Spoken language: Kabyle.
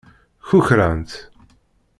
Kukrant.